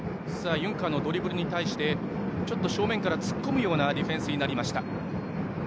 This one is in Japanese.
ユンカーのドリブルに対してちょっと正面から突っ込むようなディフェンスになりました。